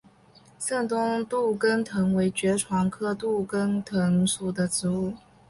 滇东杜根藤为爵床科杜根藤属的植物。